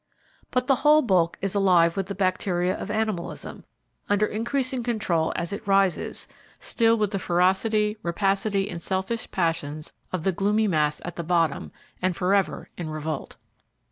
But the whole bulk is alive with the bacteria of animalism, under increasing control as it rises, still with the ferocity, rapacity and selfish passions of the gloomy mass at the bottom and forever in revolt.